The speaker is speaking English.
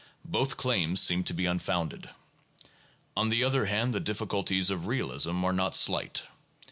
Both claims seem to be unfounded. On the other hand the difficulties of realism are not slight.